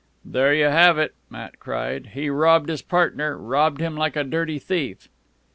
"There you have it!" Matt cried. "He robbed his partner robbed him like a dirty thief."